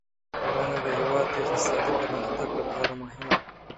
کرنه د هېواد د اقتصادي پرمختګ لپاره مهمه ده.